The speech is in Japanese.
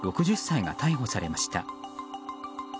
６０歳が逮捕されました。